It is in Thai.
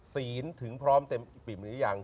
ศีลถึงพร้อมเต็มอิ่มหรือยัง